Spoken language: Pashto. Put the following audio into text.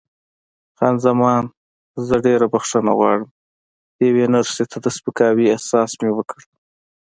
خان زمان: زه ډېره بښنه غواړم، یوې نرسې ته د سپکاوي احساس مې وکړ.